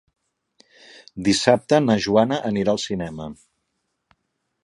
Dissabte na Joana anirà al cinema.